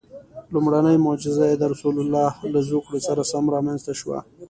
لومړنۍ معجزه یې د رسول الله له زوکړې سره سم رامنځته شوه.